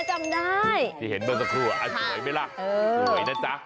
อ่าจำได้